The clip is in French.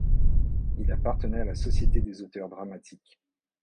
Il appartenait à la Société des auteurs dramatiques.